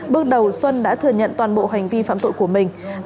bước đầu xuân đã thừa nhận toàn bộ hành vi phạm tội của mình